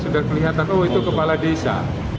sudah kelihatan oh itu kepala desa